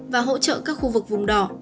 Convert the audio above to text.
và hỗ trợ các khu vực vùng đỏ